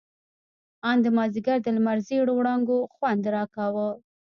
ان د مازديګر د لمر زېړو وړانګو خوند راکاوه.